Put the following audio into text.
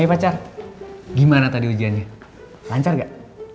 hai pacar gimana tadi ujiannya lancar gak